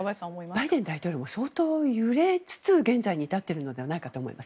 バイデン大統領も相当、揺れつつ現在に至っているのではないかと思います。